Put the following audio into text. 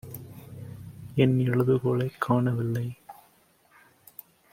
என் எழுதுகோலைக் காணவில்லை.